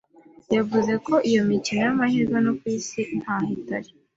yavuze ko iyi imikino y’amahirwe ku Isi ntaho itari,